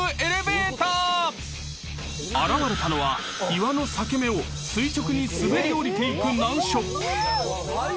［現れたのは岩の裂け目を垂直に滑り降りていく難所］